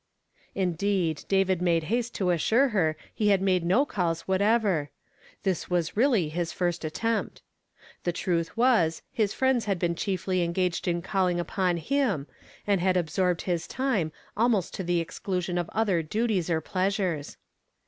Indeed, David made haste to assure her he had made no calls whatever. This was really his first attempt; the truth was, his friends had been chiefly engaged in calling upon him, and had ab sorbed his time, almost to the exclusion of other duties or pleasures.